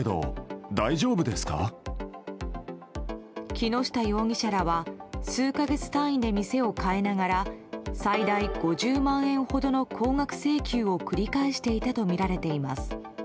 木下容疑者らは数か月単位で店を変えながら最大５０万円ほどの高額請求を繰り返していたとみられています。